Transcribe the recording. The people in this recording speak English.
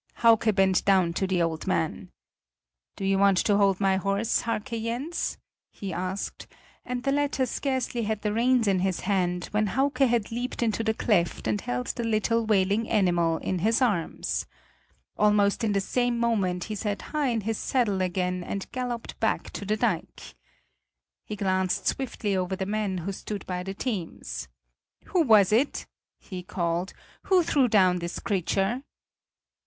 Hauke bent down to the old man. "Do you want to hold my horse, Harke Jens?" he asked; and the latter scarcely had the reins in his hand when Hauke had leaped into the cleft and held the little wailing animal in his arms. Almost in the same moment he sat high in his saddle again and galloped back to the dike. He glanced swiftly over the men who stood by the teams. "Who was it?" he called. "Who threw down this creature?"